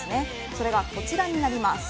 それが、こちらになります。